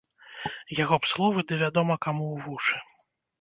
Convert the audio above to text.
Яго б словы ды вядома каму ў вушы!